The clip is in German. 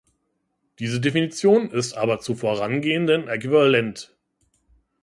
Diese Definition ist aber zur Vorangehenden äquivalent.